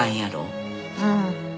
うん。